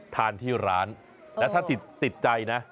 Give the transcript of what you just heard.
ทานที่ร้านแล้วถ้าติดใจนะ